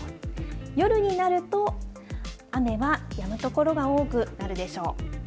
夜になると、雨はやむ所が多くなるでしょう。